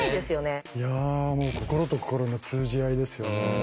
いやもう心と心の通じ合いですよね。